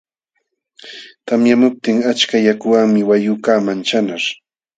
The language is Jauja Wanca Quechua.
Tamyamuptin achka yakuwanmi wayqukaq manchanaśh.